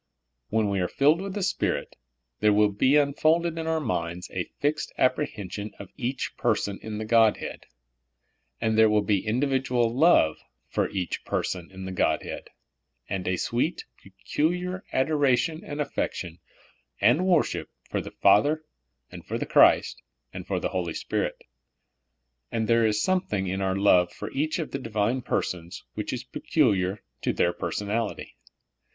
When we are filled with the Spirit, there will be unfolded in our minds a fixed apprehen sion of each person in the Godhead ; and there will be individual love for each person in the Godhead, and a sweet, peculiar adoration and affection and wor ship for the Father and for Christ, and for the Holy Spirit. And there is something in our love for each of the Divine persons which is peculiar to their per sonality.